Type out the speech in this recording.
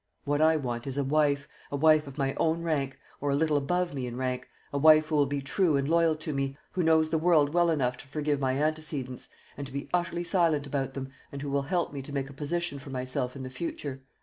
"What I want is a wife; a wife of my own rank, or a little above me in rank; a wife who will be true and loyal to me, who knows the world well enough to forgive my antecedents, and to be utterly silent about them, and who will help me to make a position for myself in the future.